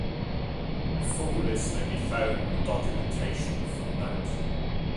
The full list may be found in the documentation for mount.